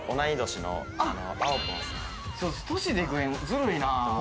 年でいくねんずるいな。